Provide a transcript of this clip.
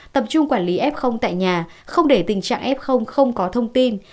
tập trung quản lý f tại nhà không để tình trạng f không có thông tin